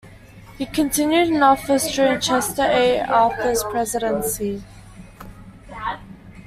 He continued in office during Chester A. Arthur's presidency.